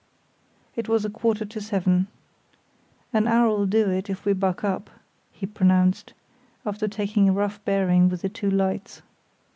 It was a quarter to seven. "An hour'll do it, if we buck up," he pronounced, after taking a rough bearing with the two lights.